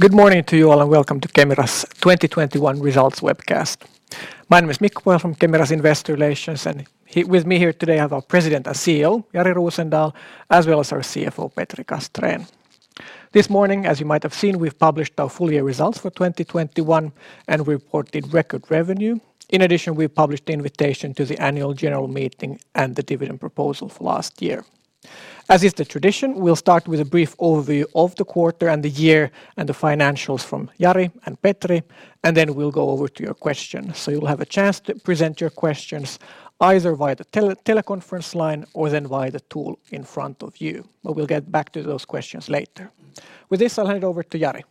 Good morning to you all and welcome to Kemira's 2021 results webcast. My name is Mikko from Kemira's Investor Relations, and with me here today, I have our President and CEO, Jari Rosendal, as well as our CFO, Petri Castrén. This morning, as you might have seen, we've published our full-year results for 2021, and we reported record revenue. In addition, we published the invitation to the annual general meeting and the dividend proposal for last year. As is the tradition, we'll start with a brief overview of the quarter and the year and the financials from Jari and Petri, and then we'll go over to your questions. You'll have a chance to present your questions either via the teleconference line or then via the tool in front of you. We'll get back to those questions later. With this, I'll hand over to Jari.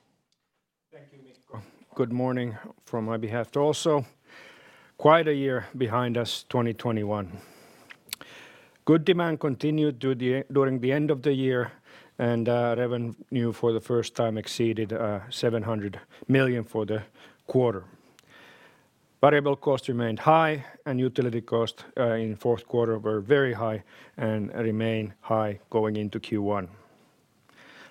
Thank you, Mikko. Good morning on my behalf, too. Quite a year behind us, 2021. Good demand continued through the end of the year and revenue for the first time exceeded 700 million for the quarter. Variable costs remained high and utility costs in the fourth quarter were very high and remain high going into Q1.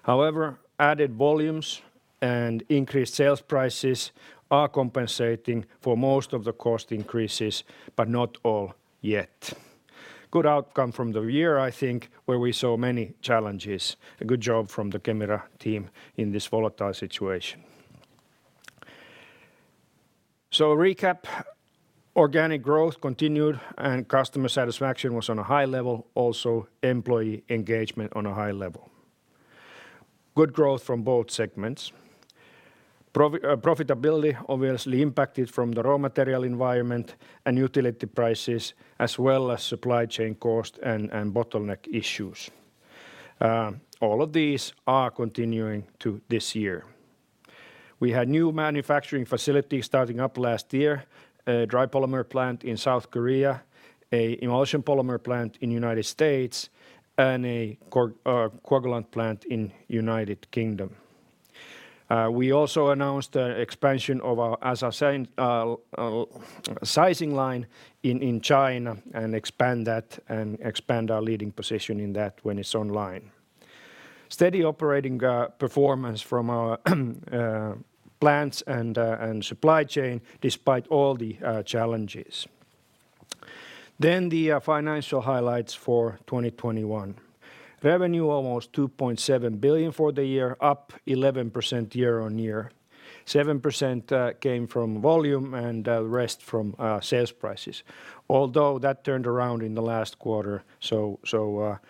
However, added volumes and increased sales prices are compensating for most of the cost increases, but not all yet. Good outcome from the year, I think, where we saw many challenges. A good job from the Kemira team in this volatile situation. Recap: organic growth continued and customer satisfaction was on a high level. Also, employee engagement on a high level. Good growth from both segments. Profitability obviously impacted from the raw material environment and utility prices, as well as supply chain cost and bottleneck issues. All of these are continuing to this year. We had new manufacturing facilities starting up last year: a dry polymer plant in South Korea, an emulsion polymer plant in U.S., and a coagulant plant in U.K. We also announced the expansion of our ASA sizing line in China and expand that and expand our leading position in that when it's online. Steady operating performance from our plants and supply chain despite all the challenges. Financial highlights for 2021. Revenue almost 2.7 billion for the year, up 11% year-over-year. 7% came from volume and the rest from sales prices. Although that turned around in the last quarter, 7%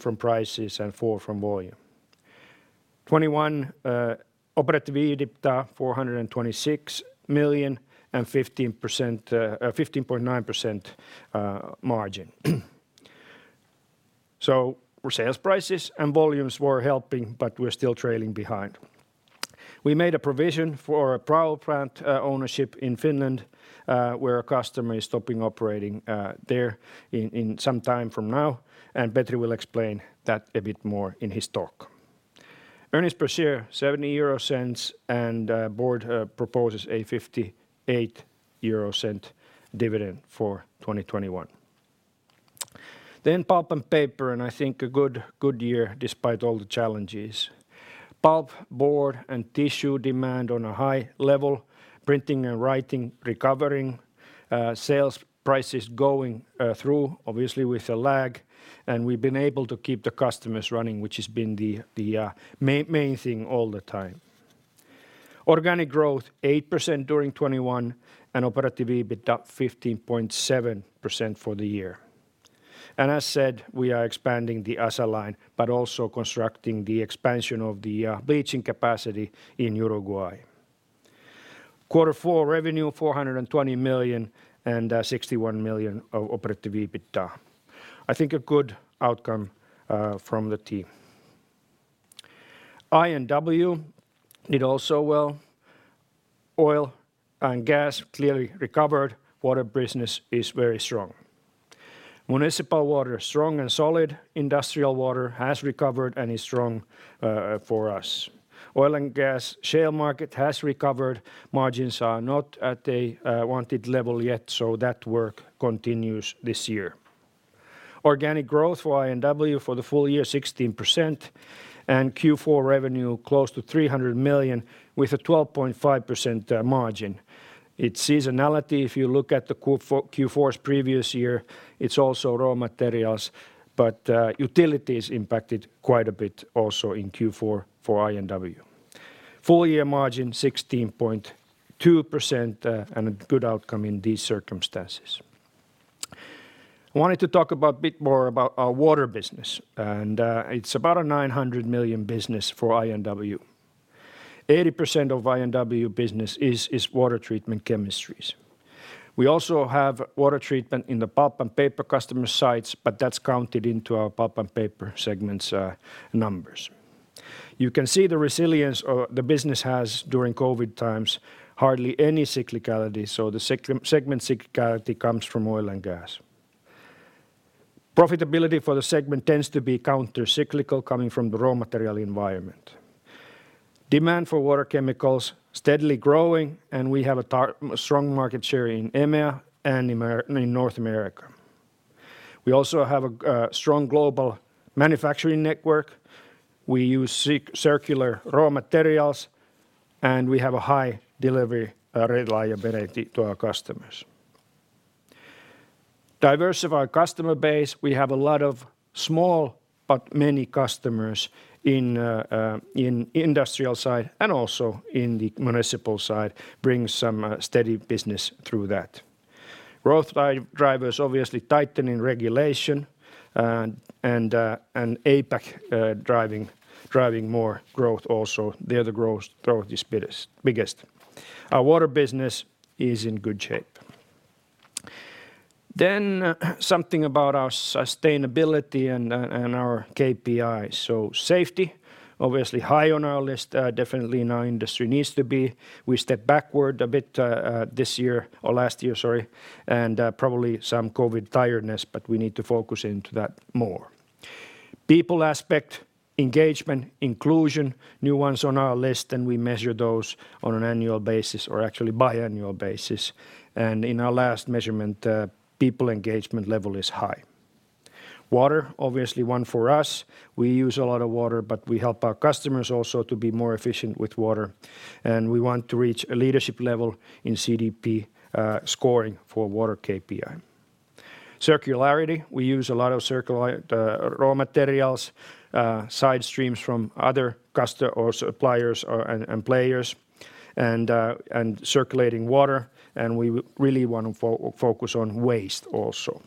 from prices and 4% from volume. 2021 operative EBITDA EUR 426 million and 15.9% margin. Our sales prices and volumes were helping, but we're still trailing behind. We made a provision for a pulp plant ownership in Finland, where a customer is stopping operations there in some time from now, and Petri will explain that a bit more in his talk. Earnings per share 0.70, and Board proposes a 0.58 dividend for 2021. Pulp and paper, and I think a good year despite all the challenges. Pulp, board, and tissue demand on a high level. Printing and writing recovering. Sales prices going through obviously with a lag, and we've been able to keep the customers running, which has been the main thing all the time. Organic growth 8% during 2021 and operative EBITDA 15.7% for the year. As said, we are expanding the ASA line but also constructing the expansion of the bleaching capacity in Uruguay. Q4 revenue 420 million and 61 million of operative EBITDA. I think a good outcome from the team. I&W did also well. Oil and gas clearly recovered. Water business is very strong. Municipal water, strong and solid. Industrial water has recovered and is strong for us. Oil and gas shale market has recovered. Margins are not at a wanted level yet, so that work continues this year. Organic growth for I&W for the full year 16% and Q4 revenue close to 300 million with a 12.5% margin. It's seasonality if you look at Q4's previous year. It's also raw materials, but utilities impacted quite a bit also in Q4 for I&W. Full-year margin 16.2% and a good outcome in these circumstances. I wanted to talk about a bit more about our water business, and it's about a 900 million business for I&W. 80% of I&W business is water treatment chemistries. We also have water treatment in the pulp and paper customer sites, but that's counted into our pulp and paper segment's numbers. You can see the resilience of the business has, during COVID times, hardly any cyclicality, so the segment cyclicality comes from oil and gas. Profitability for the segment tends to be countercyclical, coming from the raw material environment. Demand for water chemicals steadily growing, and we have a strong market share in EMEA and in North America. We also have a strong global manufacturing network. We use circular raw materials, and we have a high delivery reliability to our customers. Diversified customer base: We have a lot of small but many customers in industrial side and also in the municipal side, bring some steady business through that. Growth drivers, obviously tightening regulation, and APAC driving more growth, also. There the growth is biggest. Our water business is in good shape. Something about our sustainability and our KPI. Safety, obviously high on our list, definitely in our industry needs to be. We step backward a bit, this year or last year, sorry, and probably some COVID tiredness, but we need to focus into that more. People aspect, engagement, inclusion, new ones on our list, and we measure those on an annual basis or actually biannual basis. In our last measurement, people engagement level is high. Water, obviously, one for us. We use a lot of water, but we help our customers also to be more efficient with water, and we want to reach a leadership level in CDP scoring for water KPIs. Circularity: we use a lot of circular raw materials, side streams from other customers or suppliers or and players and circulating water, and we really wanna focus on waste also.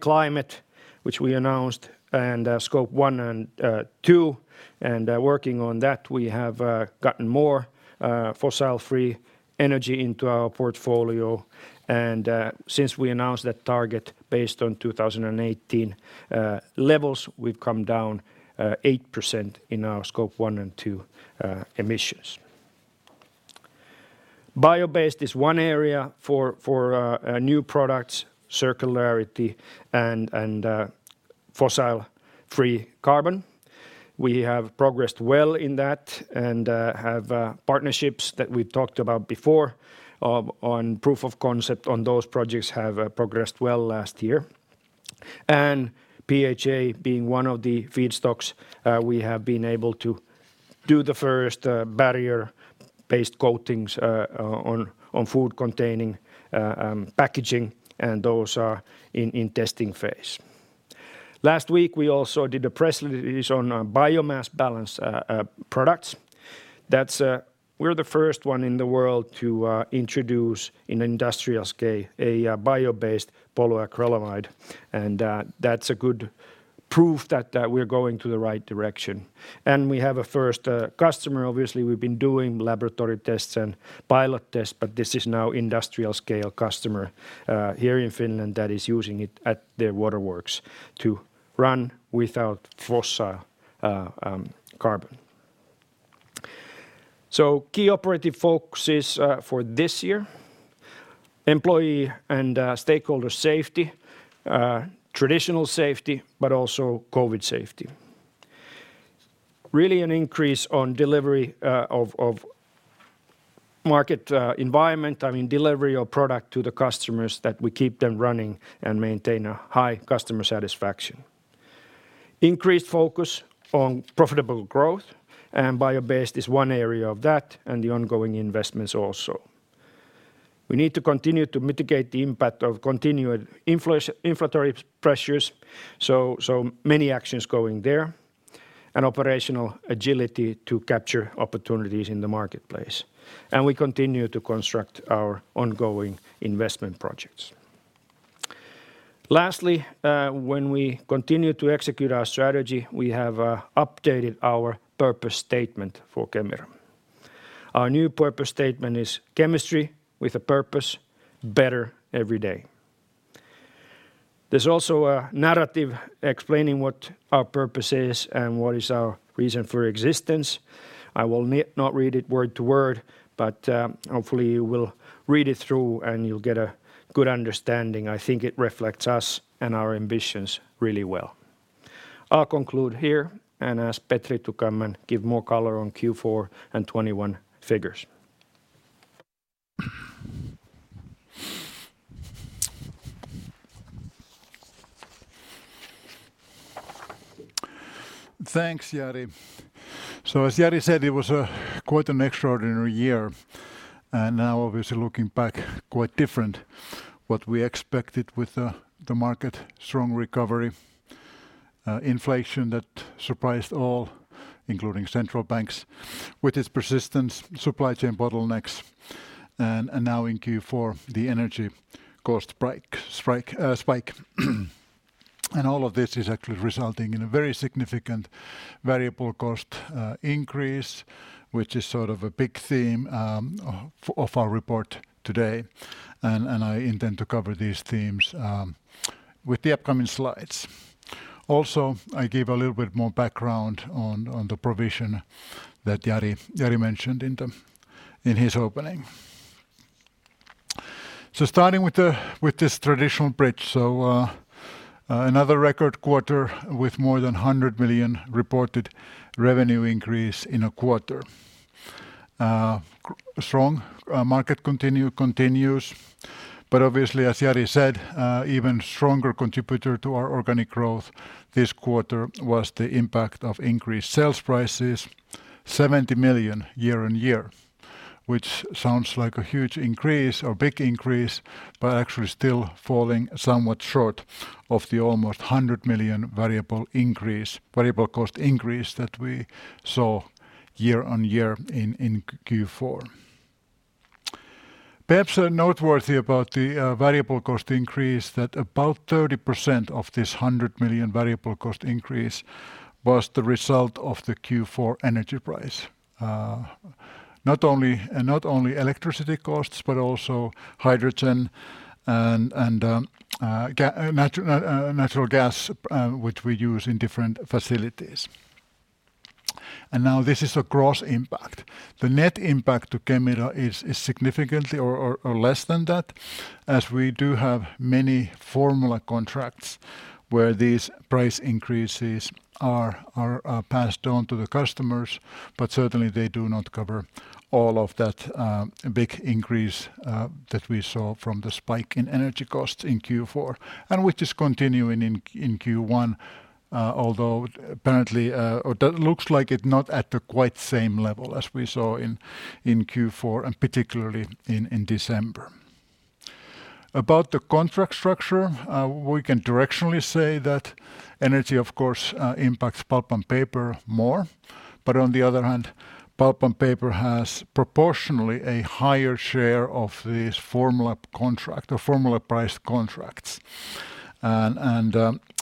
Climate, which we announced, and scope 1 and 2, and working on that, we have gotten more fossil-free energy into our portfolio. Since we announced that target based on 2018 levels, we've come down 8% in our scope 1 and 2 emissions. Bio-based is one area for new products, circularity, and fossil-free carbon. We have progressed well in that and have partnerships that we talked about before on proof of concept on those projects have progressed well last year. PHA being one of the feedstocks, we have been able to do the first barrier-based coatings on food-containing packaging, and those are in testing phase. Last week, we also did a press release on biomass balance products. That's, we're the first one in the world to introduce in industrial scale a bio-based polyacrylamide, and that's a good proof that we're going to the right direction. We have a first customer. Obviously, we've been doing laboratory tests and pilot tests, but this is now industrial scale customer here in Finland that is using it at their waterworks to run without fossil carbon. Key operative focuses for this year, employee and stakeholder safety, traditional safety, but also COVID safety. Really an increase on delivery, I mean, delivery of product to the customers that we keep them running and maintain a high customer satisfaction. Increased focus on profitable growth and bio-based is one area of that and the ongoing investments also. We need to continue to mitigate the impact of continued inflationary pressures, so many actions going there, and operational agility to capture opportunities in the marketplace. We continue to construct our ongoing investment projects. Lastly, when we continue to execute our strategy, we have updated our purpose statement for Kemira. Our new purpose statement is "Chemistry with a purpose, better every day." There's also a narrative explaining what our purpose is and what is our reason for existence. I will not read it word to word, but hopefully you will read it through and you'll get a good understanding. I think it reflects us and our ambitions really well. I'll conclude here and ask Petri to come and give more color on Q4 and 2021 figures. Thanks, Jari. As Jari said, it was quite an extraordinary year, and now obviously looking back, quite different what we expected with the market's strong recovery, inflation that surprised all, including central banks, with its persistence, supply chain bottlenecks, and now in Q4, the energy cost price spike. All of this is actually resulting in a very significant variable cost increase, which is sort of a big theme of our report today and I intend to cover these themes with the upcoming slides. Also, I give a little bit more background on the provision that Jari mentioned in his opening. Starting with this traditional bridge. Another record quarter with more than 100 million reported revenue increase in a quarter. Strong market continues. Obviously, as Jari said, even stronger contributor to our organic growth this quarter was the impact of increased sales prices, 70 million year-on-year, which sounds like a huge increase or big increase, but actually still falling somewhat short of the almost 100 million variable cost increase that we saw year-on-year in Q4. Perhaps noteworthy about the variable cost increase that about 30% of this 100 million variable cost increase was the result of the Q4 energy price. Not only electricity costs, but also hydrogen and natural gas, which we use in different facilities. Now this is a gross impact. The net impact to Kemira is significantly less than that, as we do have many formula contracts where these price increases are passed on to the customers. But certainly they do not cover all of that big increase that we saw from the spike in energy costs in Q4, which is continuing in Q1, although apparently that looks like it not at the quite same level as we saw in Q4 and particularly in December. About the contract structure, we can directionally say that energy, of course, impacts pulp and paper more, but on the other hand, pulp and paper has proportionally a higher share of these formula-price contracts.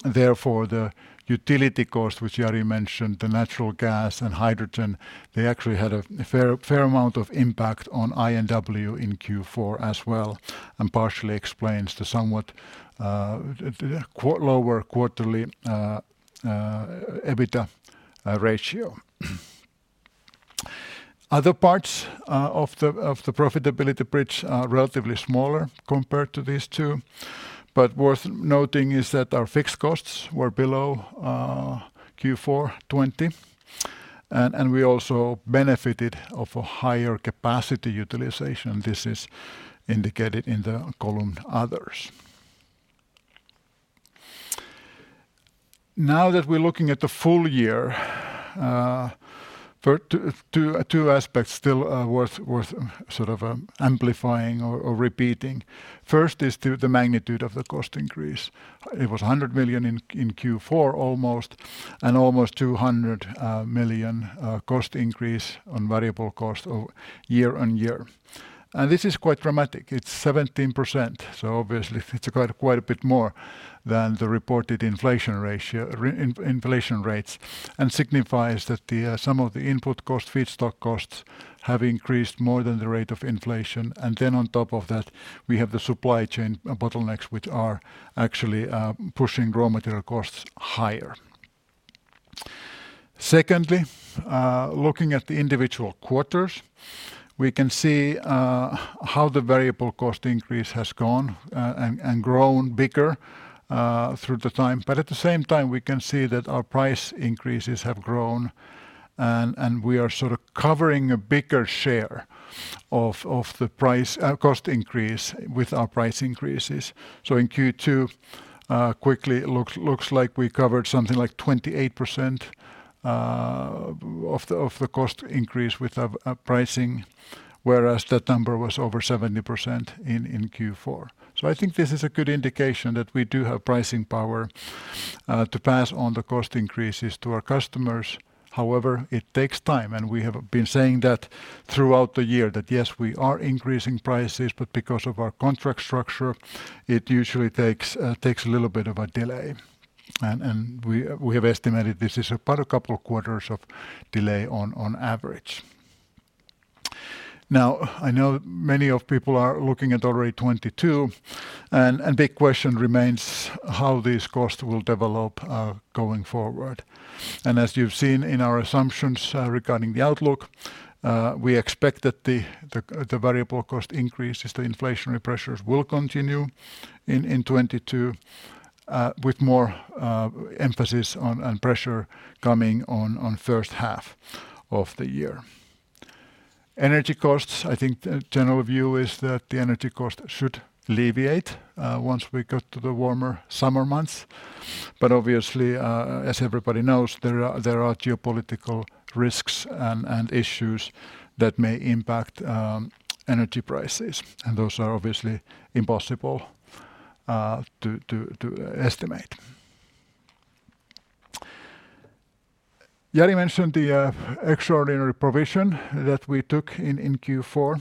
Therefore, the utility cost, which Jari mentioned, the natural gas and hydrogen, they actually had a fair amount of impact on I&W in Q4 as well and partially explains the somewhat lower quarterly EBITDA ratio. Other parts of the profitability bridge are relatively smaller compared to these two. Worth noting is that our fixed costs were below Q4 2020. We also benefitted from a higher capacity utilization. This is indicated in the column Others. Now that we're looking at the full year, two aspects still worth, sort of, amplifying or repeating. First is the magnitude of the cost increase. It was 100 million in Q4 almost and almost 200 million cost increase on variable cost year-on-year. This is quite dramatic. It's 17%, so obviously it's quite a bit more than the reported inflation rates and signifies that some of the input cost, feedstock costs, have increased more than the rate of inflation. Then on top of that, we have the supply chain bottlenecks, which are actually pushing raw material costs higher. Secondly, looking at the individual quarters, we can see how the variable cost increase has gone and grown bigger over time. But at the same time, we can see that our price increases have grown and we are sort of covering a bigger share of the price cost increase with our price increases. In Q2, quickly looks like we covered something like 28% of the cost increase with our pricing, whereas that number was over 70% in Q4. I think this is a good indication that we do have pricing power to pass on the cost increases to our customers. However, it takes time, and we have been saying that throughout the year that, yes, we are increasing prices, but because of our contract structure, it usually takes a little bit of a delay. We have estimated this is about a couple of quarters of delay on average. Now, I know many people are looking at already 2022 and big question remains: how these costs will develop going forward. As you've seen in our assumptions regarding the outlook, we expect that the variable cost increases to inflationary pressures will continue in 2022, with more emphasis on and pressure coming on first half of the year. Energy costs: I think the general view is that the energy cost should alleviate once we go to the warmer summer months. Obviously, as everybody knows, there are geopolitical risks and issues that may impact energy prices, and those are obviously impossible to estimate. Jari mentioned the extraordinary provision that we took in Q4.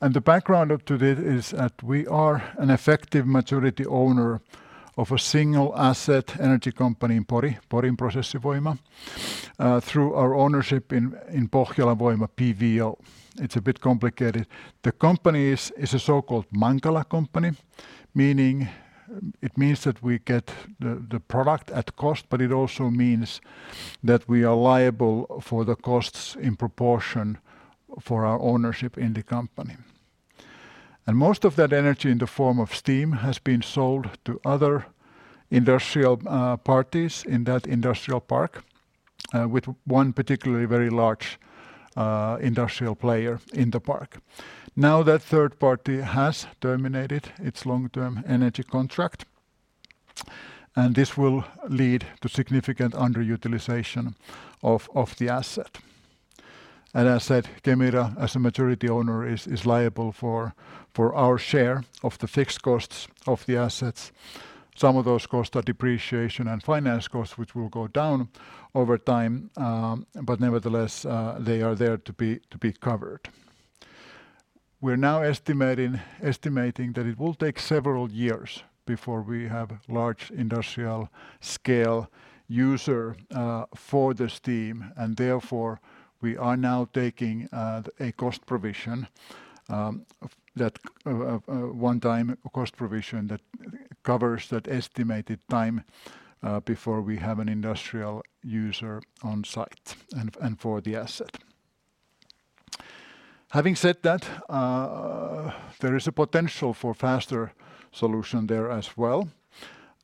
The background up to this is that we are an effective majority owner of a single asset energy company in Pori, Porin Prosessivoima, through our ownership in Pohjolan Voima, PVO. It's a bit complicated. The company is a so-called Mankala company. Meaning it means that we get the product at cost, but it also means that we are liable for the costs in proportion for our ownership in the company. Most of that energy in the form of steam has been sold to other industrial parties in that industrial park, with one particularly very large industrial player in the park. Now, that third party has terminated its long-term energy contract, and this will lead to significant underutilization of the asset. As said, Kemira, as a majority owner, is liable for our share of the fixed costs of the assets. Some of those costs are depreciation and finance costs, which will go down over time, but nevertheless, they are there to be covered. We're now estimating that it will take several years before we have large industrial-scale user for the steam, and therefore we are now taking a cost provision of that one-time cost provision that covers that estimated time before we have an industrial user on-site and for the asset. Having said that, there is a potential for faster solution there as well.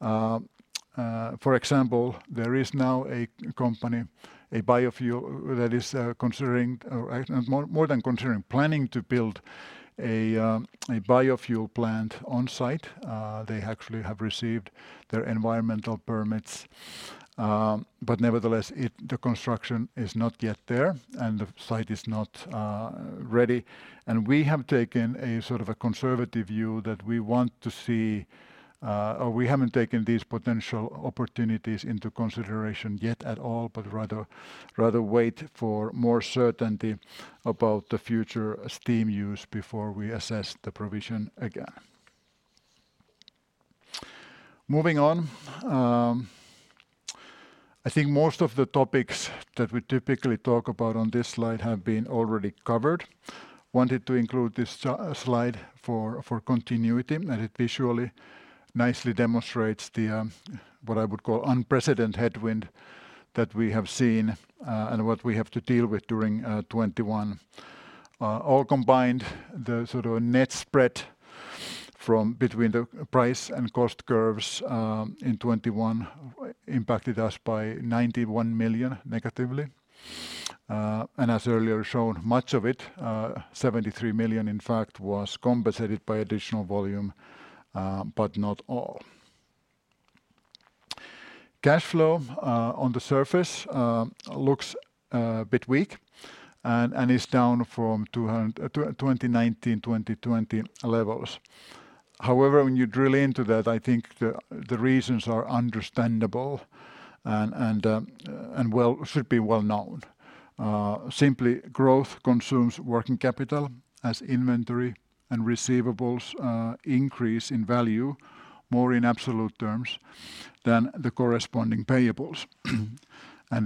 For example, there is now a company, a biofuel, that is considering, or more than considering, planning to build a biofuel plant on-site. They actually have received their environmental permits. But nevertheless, the construction is not yet there and the site is not ready. We have taken a sort of a conservative view that we want to see. We haven't taken these potential opportunities into consideration yet at all but rather wait for more certainty about the future steam use before we assess the provision again. Moving on, I think most of the topics that we typically talk about on this slide have been already covered. Wanted to include this slide for continuity, and it visually nicely demonstrates what I would call unprecedented wind that we have seen and what we have to deal with during 2021. All combined, the sort of net spread from between the price and cost curves in 2021 impacted us by 91 million negatively. As earlier shown, much of it, 73 million, in fact, was compensated by additional volume, but not all. Cash flow on the surface looks a bit weak and is down from 2019, 2020 levels. However, when you drill into that, I think the reasons are understandable and should be well known. Simply, growth consumes working capital as inventory and receivables increase in value more in absolute terms than the corresponding payables.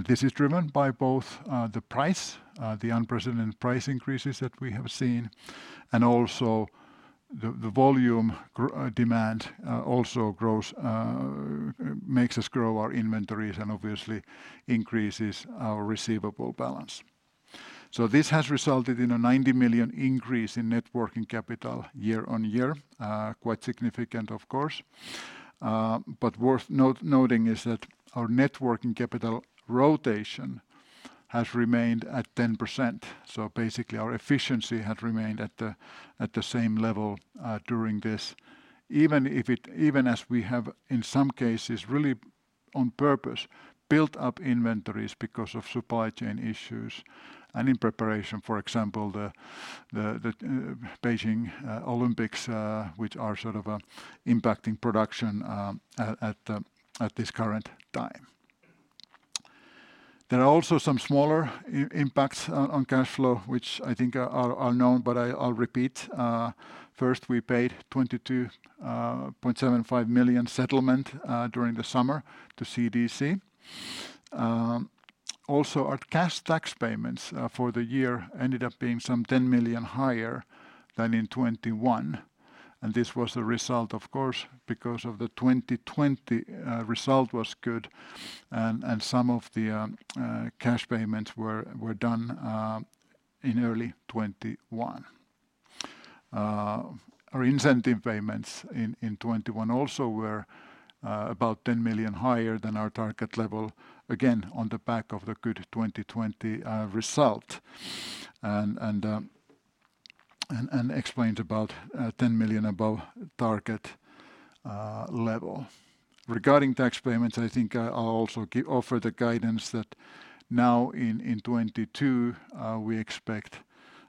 This is driven by both the unprecedented price increases that we have seen and also the volume growth; demand also grows, makes us grow our inventories and obviously increases our receivable balance. This has resulted in a 90 million increase in net working capital year on year. Quite significant, of course. But worth noting is that our net working capital rotation has remained at 10%, so basically our efficiency had remained at the same level during this. Even as we have, in some cases, really on purpose, built up inventories because of supply chain issues and in preparation, for example, the Beijing Olympics, which are sort of impacting production at this current time. There are also some smaller impacts on cash flow, which I think are known, but I'll repeat. First, we paid 22.75 million settlement during the summer to CDC. Also our cash tax payments for the year ended up being some 10 million higher than in 2021. This was a result, of course, because of the 2020 result was good and some of the cash payments were done in early 2021. Our incentive payments in 2021 also were about 10 million higher than our target level, again, on the back of the good 2020 result and explains about 10 million above target level. Regarding tax payments, I think I'll also offer the guidance that now, in 2022, we expect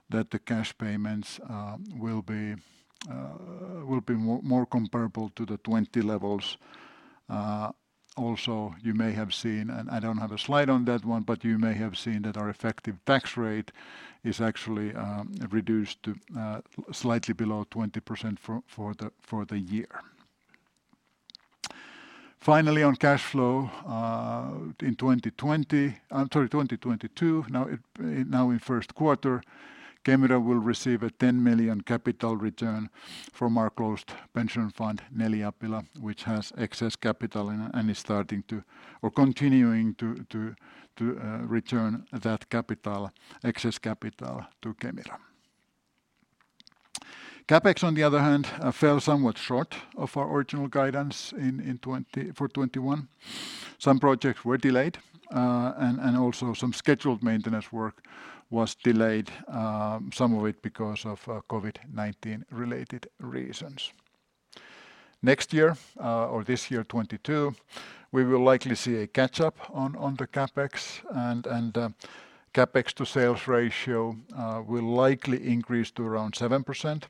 that the cash payments will be more comparable to the 2020 levels. Also, you may have seen, and I don't have a slide on that one, but you may have seen that our effective tax rate is actually reduced to slightly below 20% for the year. Finally, on cash flow, in 2022 in first quarter, Kemira will receive a 10 million capital return from our closed pension fund Neliapila, which has excess capital and is starting to or continuing to return that excess capital to Kemira. CapEx, on the other hand, fell somewhat short of our original guidance for 2021. Some projects were delayed, and also some scheduled maintenance work was delayed, some of it because of COVID-19-related reasons. Next year or this year, 2022, we will likely see a catch-up on the CapEx and CapEx to sales ratio will likely increase to around 7%.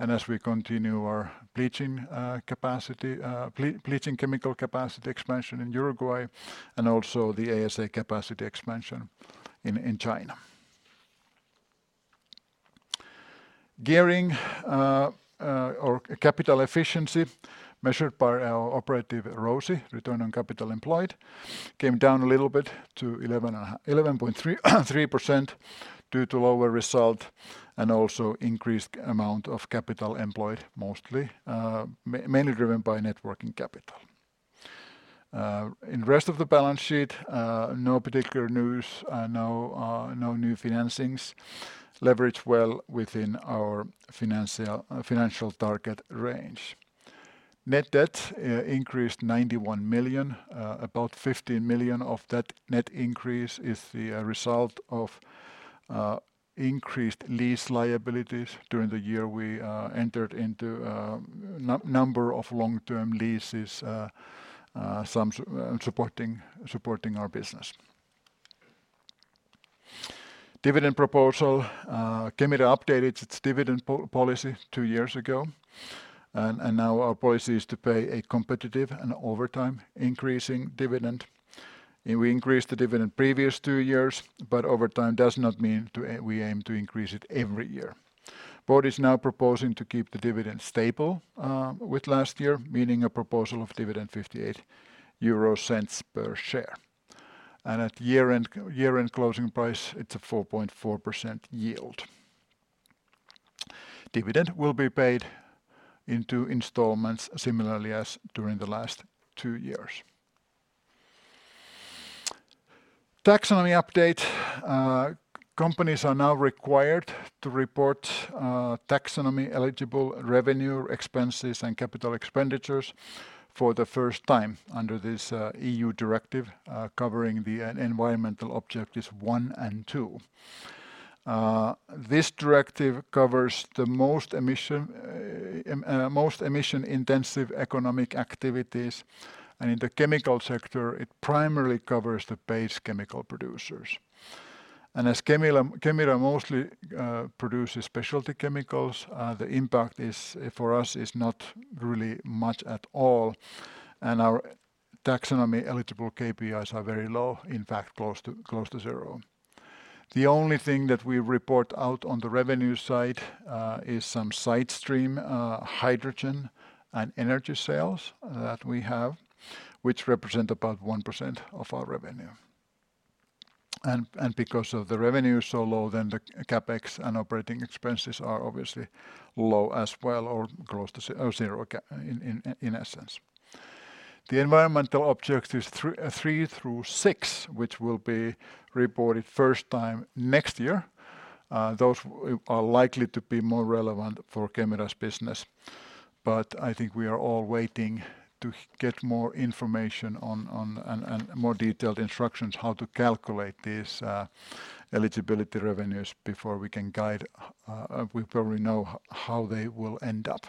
As we continue our bleaching chemical capacity expansion in Uruguay and also the ASA capacity expansion in China. Gearing or capital efficiency, measured by our operative ROCE, return on capital employed, came down a little bit to 11.3% due to lower result and also increased amount of capital employed, mostly mainly driven by net working capital. In the rest of the balance sheet, no particular news, no new financings. Leverage well within our financial target range. Net debt increased 91 million, about 15 million of that net increase is the result of increased lease liabilities. During the year we entered into a number of long-term leases, some supporting our business. Dividend proposal, Kemira updated its dividend policy two years ago, and now our policy is to pay a competitive and over time increasing dividend. We increased the dividend previous two years, but over time does not mean we aim to increase it every year. Board is now proposing to keep the dividend stable with last year, meaning a proposal of dividend 0.58 per share. At year-end closing price, it's a 4.4% yield. Dividend will be paid in two instalments, similarly as during the last two years. Taxonomy update:, Companies are now required to report taxonomy-eligible revenue, expenses, and capital expenditures for the first time under this EU directive covering the environmental objectives 1 and 2. This directive covers the most emission-intensive economic activities, and in the chemical sector, it primarily covers the base chemical producers. As Kemira mostly produces specialty chemicals, the impact for us is not really much at all, and our taxonomy-eligible KPIs are very low; in fact, close to zero. The only thing that we report out on the revenue side is some sidestream hydrogen and energy sales that we have, which represent about 1% of our revenue. Because of the revenue is so low, then the CapEx and operating expenses are obviously low as well or close to zero, in essence. The environmental objectives 3 through 6, which will be reported first time next year, those are likely to be more relevant for Kemira's business. I think we are all waiting to get more information on and more detailed instructions how to calculate these eligibility revenues before we can guide; we probably know how they will end up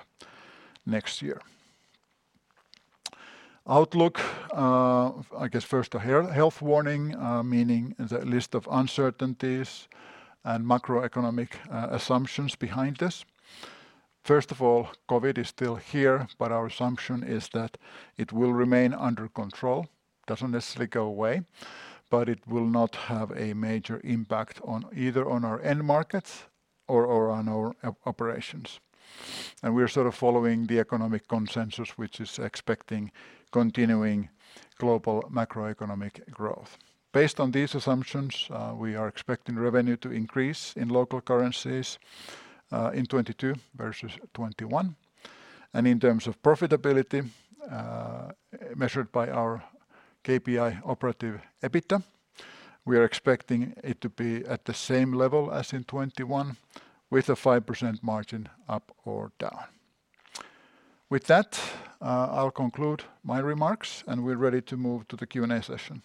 next year. Outlook: I guess first a health warning, meaning the list of uncertainties and macroeconomic assumptions behind this. First of all, COVID is still here, but our assumption is that it will remain under control; it doesn't necessarily go away, but it will not have a major impact on either on our end markets or on our operations. We're sort of following the economic consensus, which is expecting continuing global macroeconomic growth. Based on these assumptions, we are expecting revenue to increase in local currencies in 2022 versus 2021. In terms of profitability, measured by our KPI operative EBITDA, we are expecting it to be at the same level as in 2021 with a 5% margin up or down. With that, I'll conclude my remarks, and we're ready to move to the Q&A session.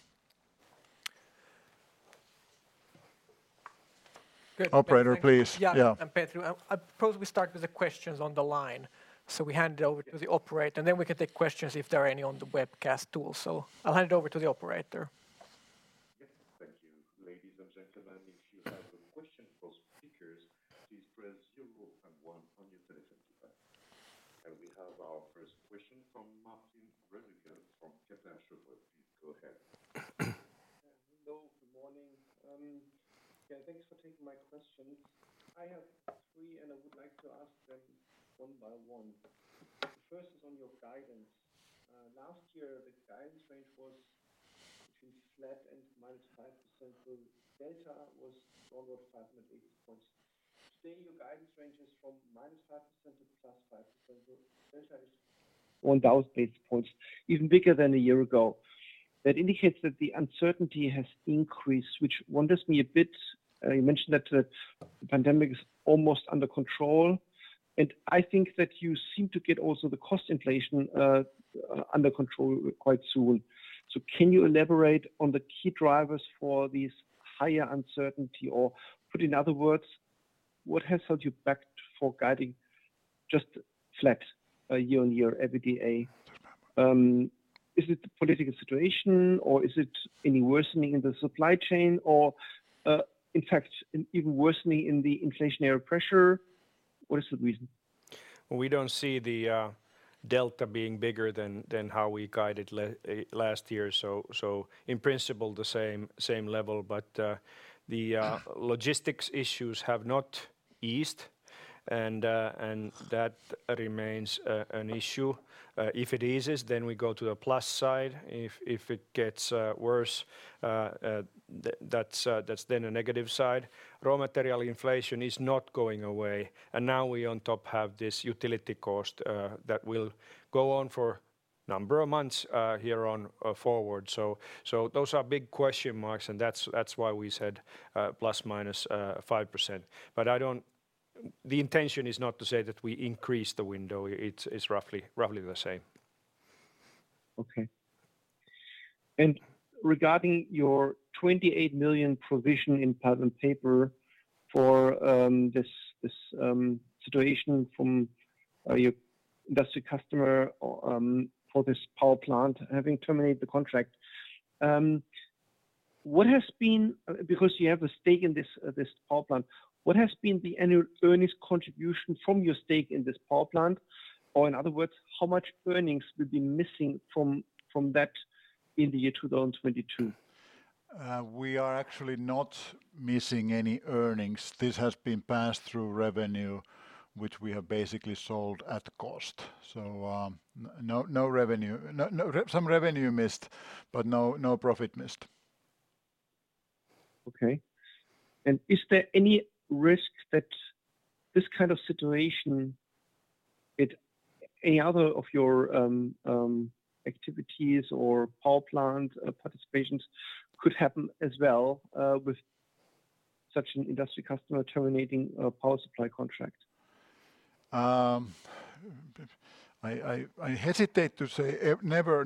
Good. Operator, please. Yeah. Yeah. Petri, I propose we start with the questions on the line. We hand it over to the operator, and then we can take questions if there are any on the webcast tool. I'll hand it over to the operator. Speakers, please press zero and one on your telephone keypad. We have our first question from Martin Roediger from Kepler Cheuvreux. Please go ahead. Hello. Good morning. Yeah, thanks for taking my questions. I have three, and I would like to ask them one by one. First is on your guidance. Last year, the guidance range was between flat and -5%. So delta was all of 500 basis points. Today, your guidance range is from -5% to +5%. So Delta is 1,000 basis points, even bigger than a year ago. That indicates that the uncertainty has increased, which makes me wonder a bit. You mentioned that the pandemic is almost under control, and I think that you seem to get also the cost inflation under control quite soon. So can you elaborate on the key drivers for this higher uncertainty? Or put in other words, what has held you back for guiding just flat year-on-year EBITDA? Is it the political situation or is it any worsening in the supply chain or, in fact, an even worsening in the inflationary pressure? What is the reason? We don't see the delta being bigger than how we guided last year, so in principle the same level. The logistics issues have not eased and that remains an issue. If it eases, then we go to the plus side. If it gets worse, that's then a negative side. Raw material inflation is not going away, and now we on top have this utility cost that will go on for number of months here on forward. Those are big question marks, and that's why we said +/- 5%. The intention is not to say that we increase the window. It's roughly the same. Okay. Regarding your 28 million provision in paper for this situation from your industry customer or for this power plant having terminated the contract, what has been done? Because you have a stake in this power plant, what has been the annual earnings contribution from your stake in this power plant? Or in other words, how much earnings will be missing from that in the year 2022? We are actually not missing any earnings. This has been passed through revenue, which we have basically sold at cost. Some revenue missed, but no profit missed. Okay. Is there any risk that this kind of situation with any other of your activities or power plant participations could happen as well, with such an industry customer terminating a power supply contract? I hesitate to say never,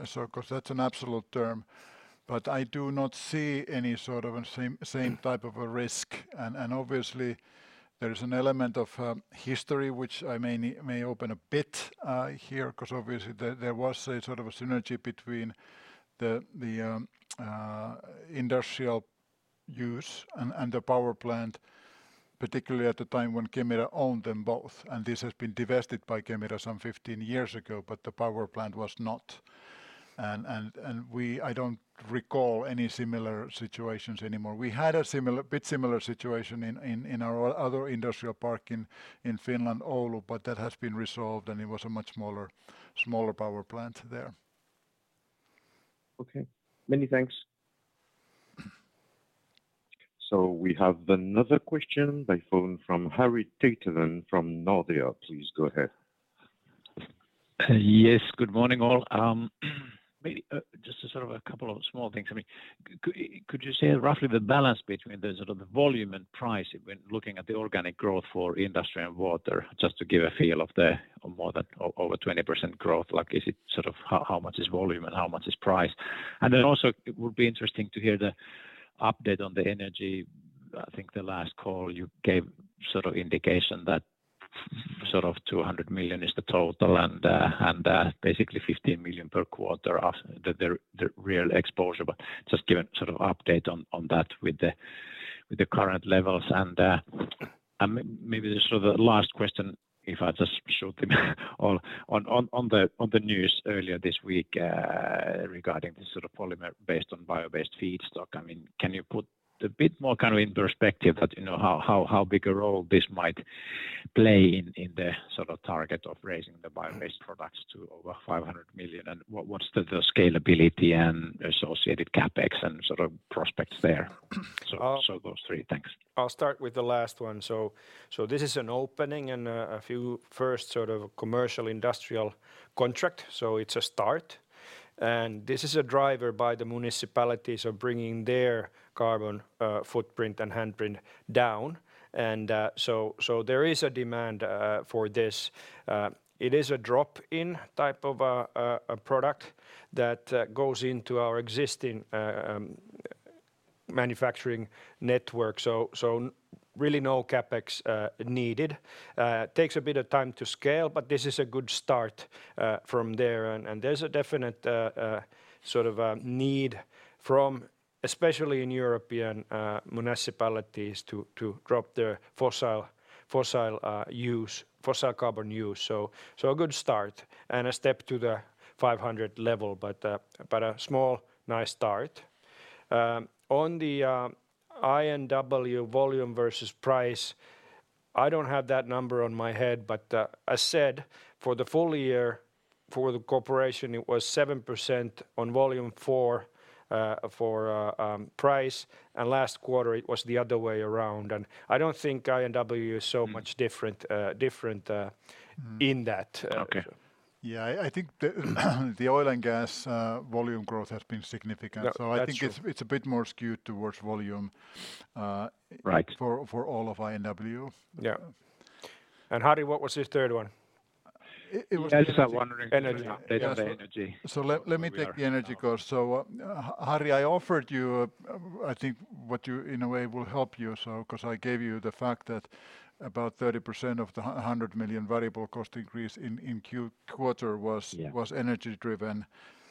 because that's an absolute term, but I do not see any sort of the same type of a risk. Obviously there is an element of history, which I may open a bit here, because obviously there was a sort of a synergy between the industrial use and the power plant, particularly at the time when Kemira owned them both, and this has been divested by Kemira some 15 years ago, but the power plant was not. I don't recall any similar situations anymore. We had a bit similar situation in our other industrial park in Finland, Oulu, but that has been resolved, and it was a much smaller power plant there. Okay. Many thanks. We have another question by phone from Harri Taittonen from Nordea. Please go ahead. Yes. Good morning, all. Maybe just a couple of small things. I mean, could you say roughly the balance between the volume and price when looking at the organic growth for industry and water just to give a feel of the more than 20% growth? Like, how much is volume and how much is price? And then also it would be interesting to hear the update on the energy. I think the last call you gave sort of indication that 200 million is the total and basically 15 million per quarter of the real exposure. But just give a sort of update on that with the current levels. Maybe just sort of a last question, if I just follow up on the news earlier this week regarding this sort of polymer based on bio-based feedstock. I mean, can you put a bit more, Kind of into perspective that, you know, how big a role this might play in the sort of target of raising the bio-based products to over 500 million? What's the scalability and associated CapEx and sort of prospects there? Those three. Thanks. I'll start with the last one. This is an opening and a few first, sort of, commercial industrial contracts. It's a start. This is driven by the municipalities bringing their carbon footprint and handprint down. There is a demand for this. It is a drop-in type of a product that goes into our existing manufacturing network. Really no CapEx needed. Takes a bit of time to scale, but this is a good start from there. There's a definite sort of need from, especially in European municipalities, to drop their fossil carbon use. A good start and a step to the 500 level, but a small, nice start. On the I&W volume versus price. I don't have that number on my head, but I said for the full year for the corporation, it was 7% on volume, 4% for price. Last quarter it was the other way around. I don't think I&W is so much different in that. Okay. Yeah. I think the oil and gas volume growth has been significant. That's true. I think it's a bit more skewed towards volume. Right for all of I&W. Yeah. Harri, what was his third one? I was just wondering. Energy data energy. Let me take the energy cost. Harri, I offered you, I think what you in a way will help you. 'Cause I gave you the fact that about 30% of the 100 million variable cost increase in quarter was – Yeah... was energy-driven,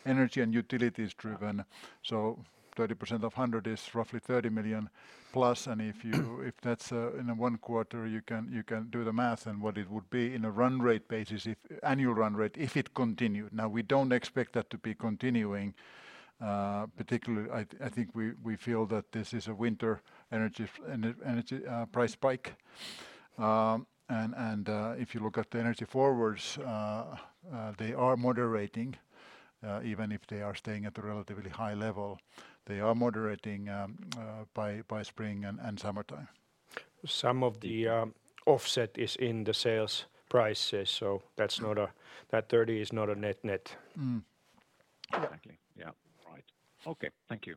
energy- and utilities-driven. Thirty per cent of 100 is roughly 30 million plus. If that's in one quarter, you can do the math and what it would be in a run rate basis if annual run rate, if it continued. Now we don't expect that to be continuing; particularly I think we feel that this is a winter energy price spike. If you look at the energy forwards, they are moderating; even if they are staying at a relatively high level, they are moderating by spring and summertime. Some of the offset is in the sales prices. That '30' is not a net-net. Mm. Exactly. Yeah. Right. Okay. Thank you.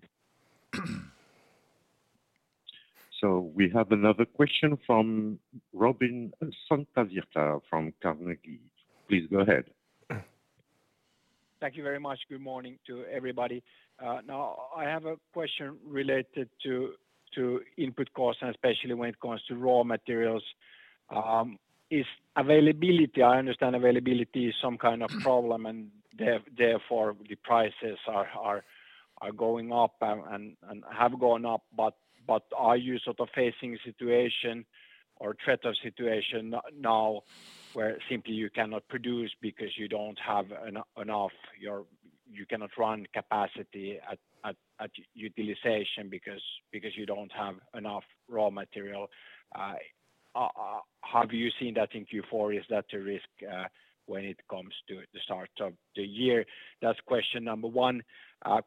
We have another question from Robin Santavirta from Carnegie. Please go ahead. Thank you very much. Good morning to everybody. Now I have a question related to input costs, and especially when it comes to raw materials. Is availability. I understand availability is some kind of problem, and therefore the prices are going up and have gone up. Are you sort of facing a situation or threat of situation now where simply you cannot produce because you don't have enough. You cannot run capacity at utilization because you don't have enough raw material? Have you seen that in Q4? Is that a risk when it comes to the start of the year? That's question number one.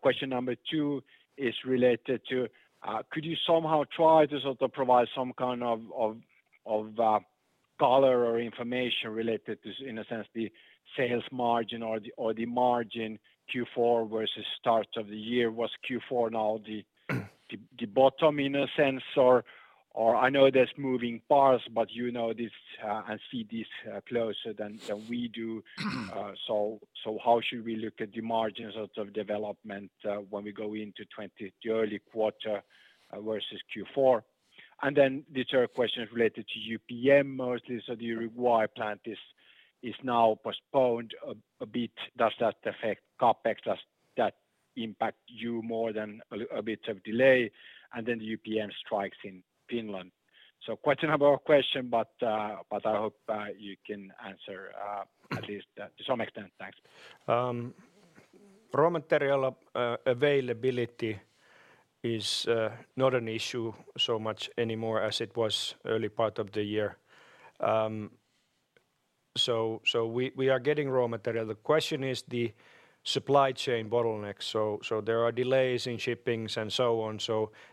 Question number 2 is related to could you somehow try to sort of provide some kind of color or information related to, in a sense, the sales margin or the margin Q4 versus start of the year? Was Q4 now the bottom in a sense or I know there's moving parts but you know this and see this closer than we do. How should we look at the margins of development when we go into 2020, the early quarter versus Q4? The third question is related to UPM mostly. The Uruguay plant is now postponed a bit. Does that affect CapEx? Does that impact you more than a bit of delay? The UPM strikes in Finland. Question about question, but I hope you can answer at least to some extent. Thanks. Raw material availability is not an issue so much anymore as it was early part of the year. We are getting raw material. The question is the supply chain bottleneck. There are delays in shipping and so on.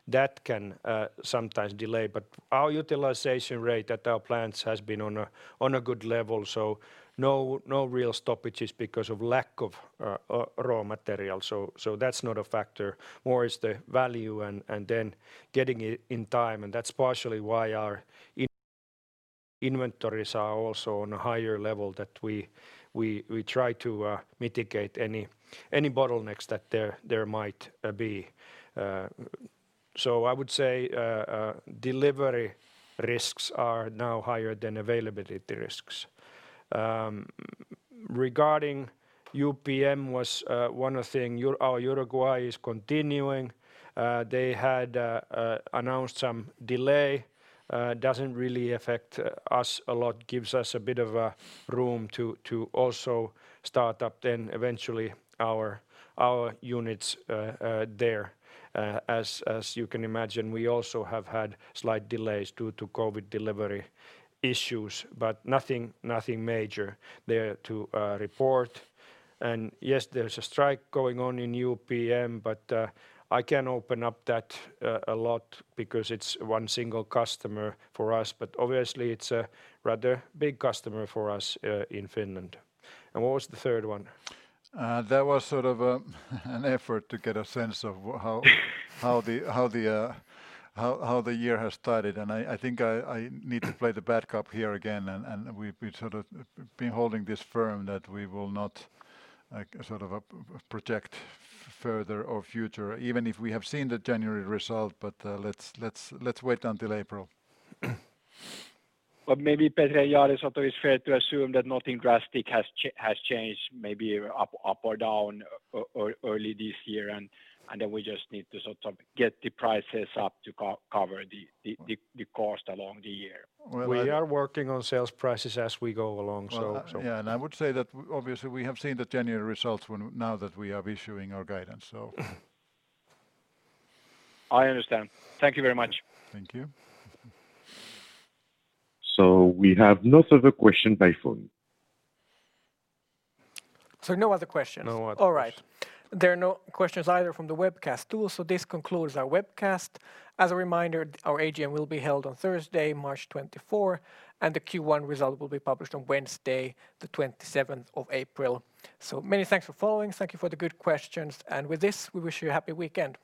That can sometimes delay. Our utilization rate at our plants has been on a good level, so no real stoppages because of lack of raw material. That's not a factor. More is the volatility and then getting it in time, and that's partially why our inventories are also on a higher level – that we try to mitigate any bottlenecks that there might be. I would say delivery risks are now higher than availability risks. Regarding UPM, one of the things our Uruguay is continuing. They had announced some delay. Doesn't really affect us a lot. Gives us a bit of a room to also start up then eventually our units there. As you can imagine, we also have had slight delays due to COVID delivery issues, but nothing major there to report. Yes, there's a strike going on in UPM, but I can't open up on that a lot because it's one single customer for us. But obviously it's a rather big customer for us in Finland. What was the third one? That was sort of an effort to get a sense of how the year has started. I think I need to play the bad cop here again. We've sort of been holding this firm that we will not, like, sort of, project further or future even if we have seen the January result. Let's wait until April. Maybe, Petri, yeah, it sort of is fair to assume that nothing drastic has changed maybe up or down early this year, and then we just need to sort of get the prices up to cover the cost along the year. Well, We are working on sales prices as we go along, so. Yeah, I would say that obviously we have seen the January results now that we are issuing our guidance. I understand. Thank you very much. Thank you. We have no further question by phone. No other questions? No other questions. All right. There are no questions either from the webcast tool. This concludes our webcast. As a reminder, our AGM will be held on Thursday, March 24, and the Q1 result will be published on Wednesday, the 27th of April. Many thanks for following. Thank you for the good questions. With this, we wish you a happy weekend.